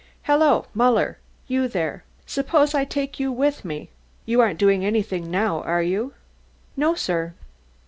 "Hello, Muller; you there? Suppose I take you with me? You aren't doing anything now, are you?" "No, sir.